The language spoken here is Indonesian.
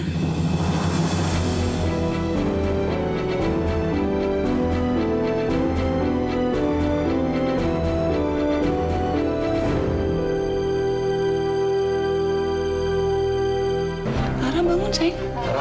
farah bangun sayang